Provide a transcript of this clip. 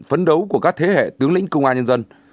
phấn đấu của các thế hệ tướng lĩnh công an nhân dân